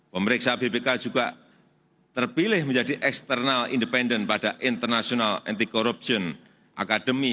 pemeriksa bpk juga terpilih menjadi eksternal independen pada international anti corruption academy